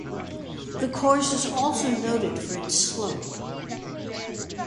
The course is also noted for its slope.